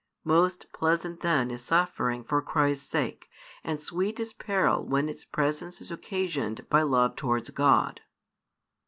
Most pleasant then is suffering for Christ's sake, and sweet is peril when its presence is occasioned by love towards God.